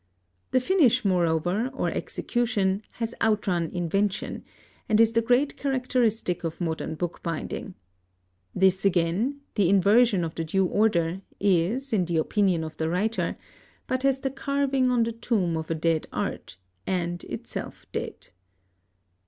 The finish, moreover, or execution, has outrun invention, and is the great characteristic of modern bookbinding. This again, the inversion of the due order, is, in the opinion of the writer, but as the carving on the tomb of a dead art, and itself dead.